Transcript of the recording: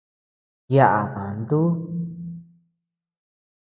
Yaʼa dantu.